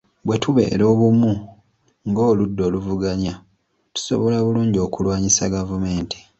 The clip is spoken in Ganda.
Bwe tubeera obumu ng’oludda oluvuganya, tusobola bulungi okulwanyisa gavumenti.